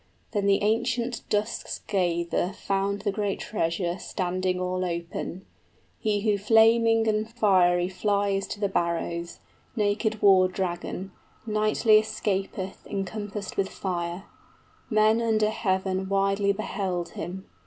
Then the ancient dusk scather 50 Found the great treasure standing all open, He who flaming and fiery flies to the barrows, Naked war dragon, nightly escapeth Encompassed with fire; men under heaven Widely beheld him.